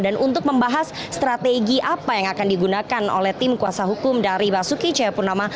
dan untuk membahas strategi apa yang akan digunakan oleh tim kuasa hukum dari basuki cahaya purnama